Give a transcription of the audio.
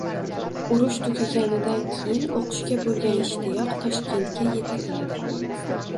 Urush tugaganidan keyin o`qishga bo`lgan ishtiyoq Toshkentga etakladi